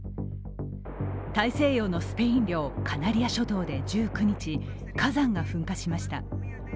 大西洋のスペイン領カナリア諸島で１９日、火山が噴火しました。